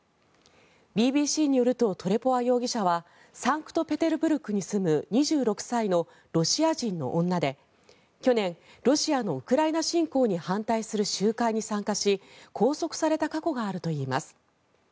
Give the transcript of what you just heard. ＢＢＣによるとトレポワ容疑者はサンクトペテルブルクに住む２６歳のロシア人の女で去年、ロシアのウクライナ侵攻に反対する集会に参加し拘束された過去があるといいます。